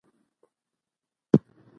دویم ډول غوړ د غړو شاوخوا وي.